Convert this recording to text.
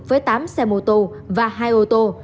với tám xe mô tô và hai ô tô